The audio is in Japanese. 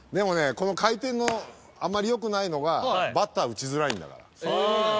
この回転のあまりよくないのがバッター打ちづらいんだからそういうもんなんですね